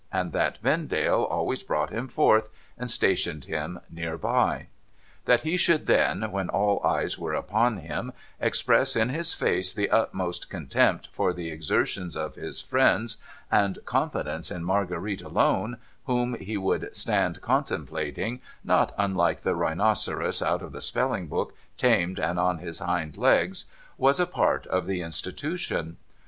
and that Vendale always brought him forth, and stationed him near by. That he should then, when all eyes were upon him, express in his face the utmost contempt for the exertions of his friends and confidence in Marguerite alone, whom he would stand contemplating, not unlike the rhinoceros out of the spelling book, tamed and on his hind legs, was a part of the Institution.